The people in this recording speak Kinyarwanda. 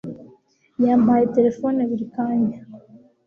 Yampaye terefone buri kanya.